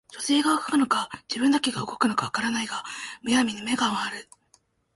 書生が動くのか自分だけが動くのか分からないが無闇に眼が廻る